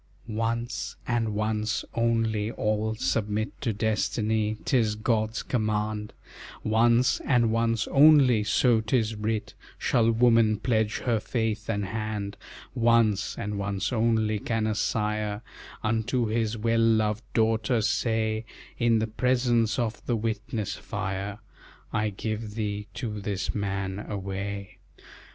"Once, and once only, all submit To Destiny, 'tis God's command; Once, and once only, so 'tis writ, Shall woman pledge her faith and hand; Once, and once only, can a sire Unto his well loved daughter say, In presence of the witness fire, I give thee to this man away.